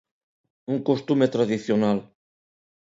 Un costume tradicional.